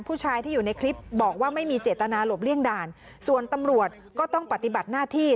ผู้ชายที่อยู่ในคลิปบอกว่าไม่มีเจตนาหลบเลี่ยงด่านส่วนตำรวจก็ต้องปฏิบัติหน้าที่